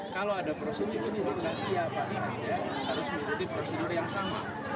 kalau ada prosedur itu dinas siapa saja harus mengikuti prosedur yang sama